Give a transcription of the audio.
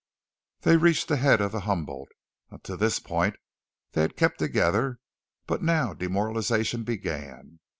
They reached the head of the Humboldt. Until this point they had kept together, but now demoralization began.